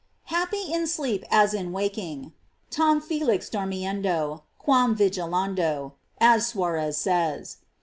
|j Happy in sleep as in waking: "Tarn felix dormiendo, quam vigilando," as Suarez says.